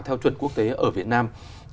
theo chuẩn quốc tế ở việt nam